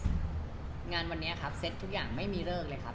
งานวันนี้ครับเซ็ตทุกอย่างไม่มีเลิกเลยครับ